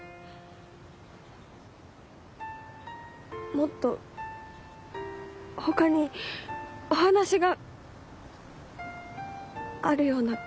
もっとほかにお話があるような気が。